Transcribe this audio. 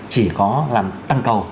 chỉ có làm tăng cầu